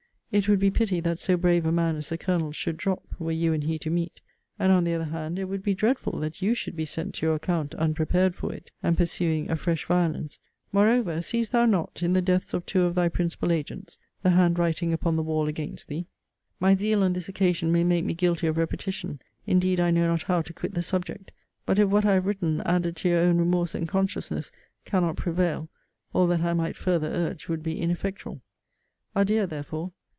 It would be pity that so brave a man as the Colonel should drop, were you and he to meet: and, on the other hand, it would be dreadful that you should be sent to your account unprepared for it, and pursuing a fresh violence. Moreover, seest thou not, in the deaths of two of thy principal agents, the hand writing upon the wall against thee. My zeal on this occasion may make me guilty of repetition. Indeed I know not how to quit the subject. But if what I have written, added to your own remorse and consciousness, cannot prevail, all that I might further urge would be ineffectual. Adieu, therefore!